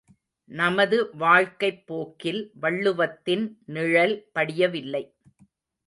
நமது வாழ்க்கைப் போக்கில் வள்ளுவத்தின் நிழல் படியவில்லை.